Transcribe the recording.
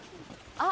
あっ！